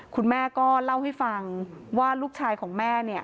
คุณแม่ก็เล่าให้ฟังว่าลูกชายของแม่เนี่ย